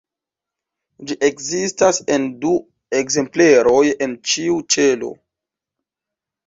Ĝi ekzistas en du ekzempleroj en ĉiu ĉelo.